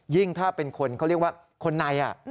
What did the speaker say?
ถ้าเป็นคนเขาเรียกว่าคนใน